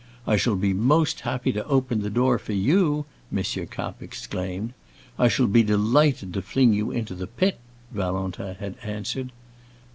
"I shall be most happy to open the door for you!" M. Kapp exclaimed. "I shall be delighted to fling you into the pit!" Valentin had answered.